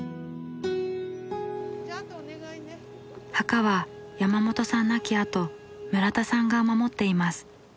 墓は山本さん亡きあと村田さんが守っています。